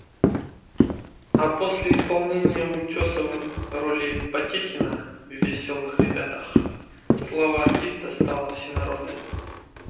а после исполнения Утесовым роли Потехина в "Веселых ребятах" слава артиста стала всенародной.